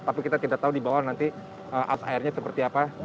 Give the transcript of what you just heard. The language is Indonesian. tapi kita tidak tahu di bawah nanti at airnya seperti apa